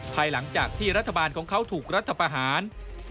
ภายหลังจากที่รัฐบาลของเขาถูกรัฐประหาร